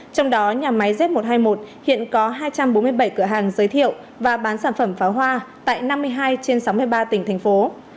trong đó nhà máy z một trăm hai mươi một hiện có hai trăm bốn mươi bảy cửa hàng giới thiệu và bán sản phẩm pháo hoa tại năm mươi hai trên sáu mươi ba tỉnh thành phố